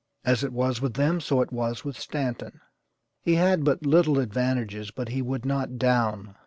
As it was with them, so it was with Stanton. He had but little advantages, but he would not 'down.'